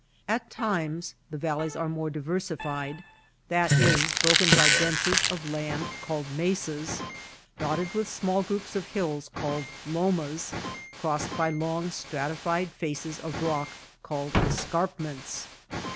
At times the valleys are more diversified, that is, broken by benches of land called mesas, dotted with small groups of hills called lomas, crossed by long stratified faces of rock called escarp ments.